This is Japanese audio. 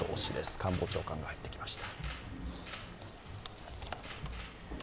官房長官が入ってきました。